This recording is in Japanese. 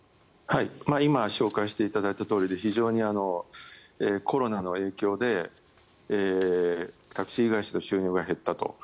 今紹介していただいたとおりで非常にコロナの影響でタクシー会社の収入が減ったと。